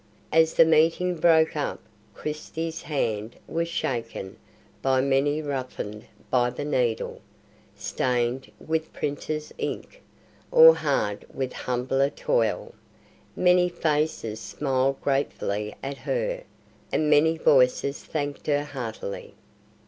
As the meeting broke up Christie's hand was shaken by many roughened by the needle, stained with printer's ink, or hard with humbler toil; many faces smiled gratefully at her, and many voices thanked her heartily.